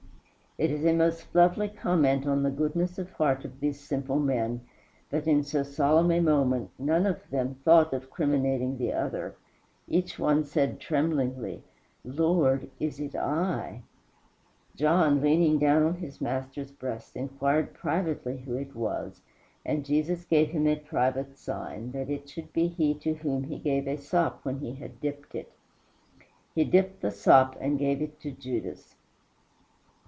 It is a most lovely comment on the goodness of heart of these simple men that in so solemn a moment no one of them thought of criminating the other. Each one said tremblingly, "Lord, is it I?" John, leaning down on his Master's breast, inquired privately who it was; and Jesus gave him a private sign that it should be he to whom he gave a sop when he had dipped it. He dipped the sop, and gave it to Judas.